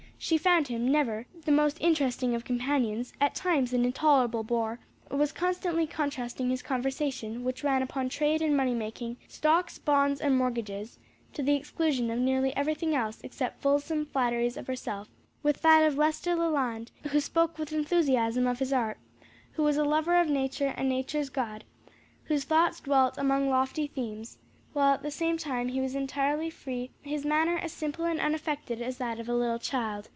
She found him, never the most interesting of companions at times an intolerable bore; and was constantly contrasting his conversation which ran upon trade and money making, stocks, bonds and mortgages, to the exclusion of nearly everything else except fulsome flatteries of herself with that of Lester Leland, who spoke with enthusiasm of his art; who was a lover of Nature and Nature's God; whose thoughts dwelt among lofty themes, while at the same time he was entirely free from vanity, his manner as simple and unaffected as that of a little child.